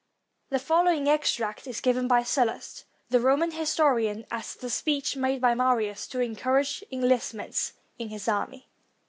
The following extract is given by Sallust, the Roman historian, as the speech made by Marius to encourage enlist ments in his army.